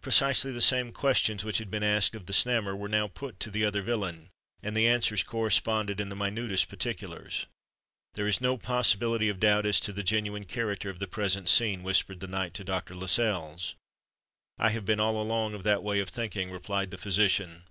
Precisely the same questions which had been asked of the Snammer, were now put to the other villain; and the answers corresponded in the minutest particulars. "There is no possibility of doubt as to the genuine character of the present scene," whispered the knight to Dr. Lascelles. "I have been all along of that way of thinking," replied the physician.